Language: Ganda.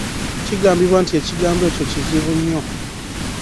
Kigambibwa nti ekigambo ekyo kizibu nnyo.